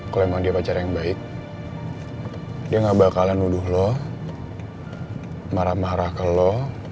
kalau memang dia pacar yang baik dia gak bakalan nuduh lo marah marah ke lo